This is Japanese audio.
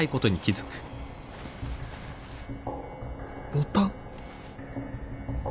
ボタン。